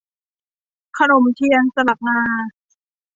ขนมเทียนสลัดงา